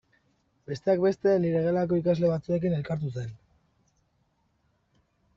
Besteak beste nire gelako ikasle batzuekin elkartu zen.